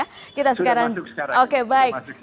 sudah masuk sekarang